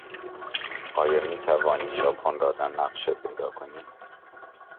آیا میتوانی ژاپن را در نقشه پیدا کنی؟